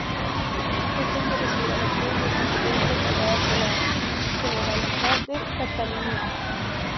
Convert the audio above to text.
Ese año recibió la Cruz de Sant Jordi otorgada por la Generalitat de Catalunya.